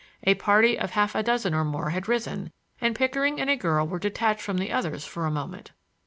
A party of half a dozen or more had risen, and Pickering and a girl were detached from the others for a moment.